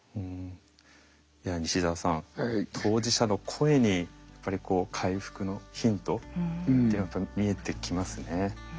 西澤さん当事者の声に回復のヒントっていうの見えてきますね。